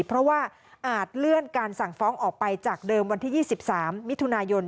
เพราะว่าอาจเลื่อนการสั่งฟ้องออกไปจากเดิมวันที่๒๓มิถุนายน